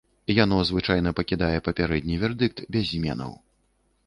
Яно звычайна пакідае папярэдні вердыкт без зменаў.